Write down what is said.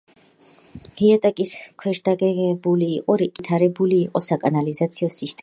იატაკის ქვეშ დაგებული იყო რიყის ქვა, განვითარებული იყო საკანალიზაციო სისტემა.